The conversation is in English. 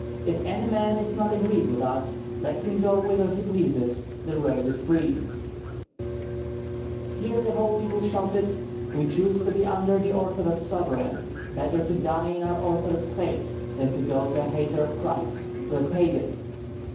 If any man is not agreed with us, let him go whither he pleases; the road is free " Here the whole people shouted: "We choose to be under the Orthodox sovereign; better to die in our Orthodox faith than to go to a hater of Christ, to a Pagan!"